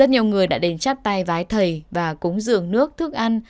rất nhiều người đã đền chắt tay vái thầy và cúng dường nước thức ăn